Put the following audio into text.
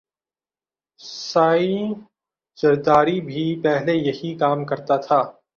سائیں زرداری بھی پہلے یہئ کام کرتا تھا